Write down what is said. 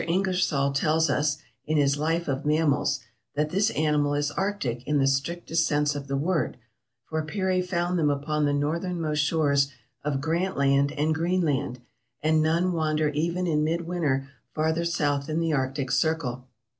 Ingersoll tells us, in his "Life of Mammals," that this animal is arctic in the strictest sense of the word, for Peary found them upon the northernmost shores of Grant Land and Greenland, and none wander even in midwinter farther south than the arctic circle.